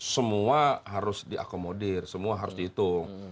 semua harus diakomodir semua harus dihitung